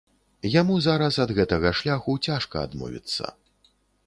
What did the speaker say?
Яму зараз ад гэтага шляху цяжка адмовіцца.